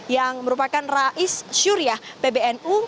yang merupakan rais syuriah pbnu